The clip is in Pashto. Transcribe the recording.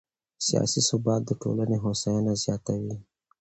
سیاسي ثبات د ټولنې هوساینه زیاتوي